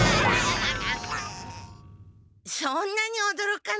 そんなにおどろかなくても。